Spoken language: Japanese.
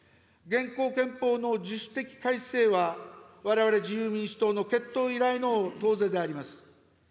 現行憲法の自主的改正は、われわれ自由民主党の結党以来の党是であります。